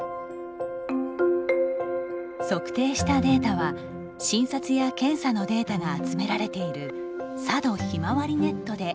測定したデータは、診察や検査のデータが集められているさどひまわり